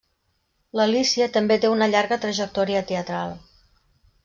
L'Alícia també té una llarga trajectòria teatral.